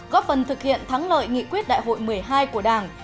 góp phần thực hiện thắng lợi nghị quyết đại hội một mươi hai của đảng